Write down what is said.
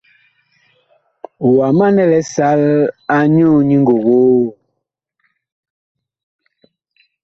Wa manɛ lisal anyuu nyi ngogoo ?